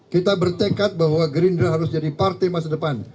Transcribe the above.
kita bertekad bahwa gerindra harus jadi partai masa depan